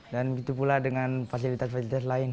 dan begitu pula dengan fasilitas fasilitas lain